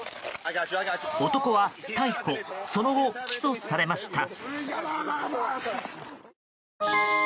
男は、逮捕その後起訴されました。